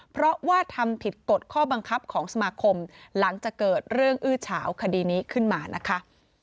เพราะว่าทำผิดกฎข้อบังคับของสมาคมหลังจากเกิดเรื่องอื้อเฉาคดีนี้ขึ้นมานะคะ